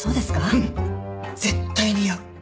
うん。絶対似合う。